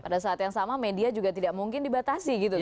pada saat yang sama media juga tidak mungkin dibatasi gitu ya